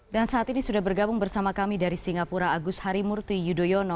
dan saat ini sudah bergabung bersama kami dari singapura agus harimurti yudhoyono